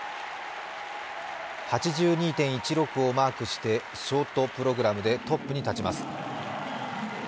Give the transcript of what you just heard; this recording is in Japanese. ８２．１６をマークしてショートプログラムでトップに立ちます。